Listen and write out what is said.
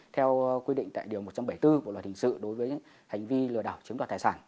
theo quy định tại điều một trăm bảy mươi bốn bộ luật hình sự đối với hành vi lừa đảo chiếm đoạt tài sản